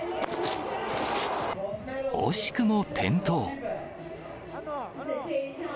惜しくも転倒。